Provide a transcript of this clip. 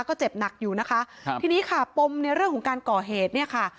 ก็เจ็บหนักอยู่นะคะครับทีนี้ค่ะปมในเรื่องของการก่อเหตุเนี่ยค่ะ